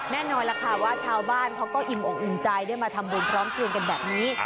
แน่นอนล่ะค่ะว่าชาวบ้านเขาก็อิ่มอกอิ่มใจได้มาทำบุญพร้อมคืนกันแบบนี้